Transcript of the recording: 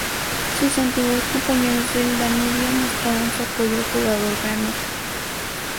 Sus antiguos compañeros del Danubio mostraron su apoyo al jugador granota.